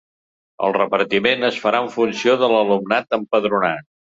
El repartiment es farà en funció de l’alumnat empadronat.